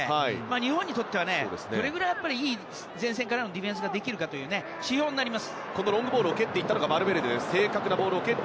日本にとってはどれぐらい、いい前線からのディフェンスができるかという指標になります。